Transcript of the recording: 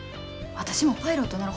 私もパイロットなろ。